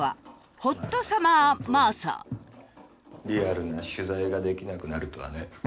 リアルな取材ができなくなるとはね。